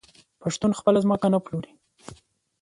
پښتون خپله ځمکه نه پلوري.